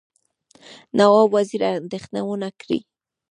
نواب وزیر اندېښنه ونه کړي.